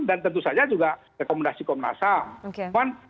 dan tentu saja juga rekomendasi komnasam